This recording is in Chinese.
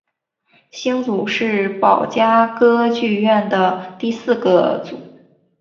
星组是宝冢歌剧团的第四个组。